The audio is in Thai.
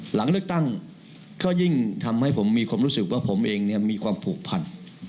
หลังเลือกตั้งก็ยิ่งทำให้ผมมีความรู้สึกว่าผมเองเนี่ยมีความผูกพัน